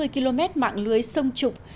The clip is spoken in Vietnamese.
hai trăm sáu mươi km mạng lưới sông trục